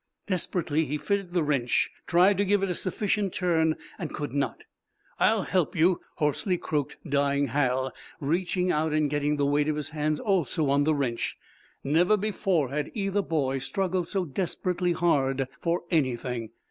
Desperately he fitted the wrench, tried to give it a sufficient turn, and could not. "I'll help you," hoarsely croaked dying Hal, reaching out and getting the weight of his hands also on the wrench. Never before had either boy struggled so desperately hard for anything.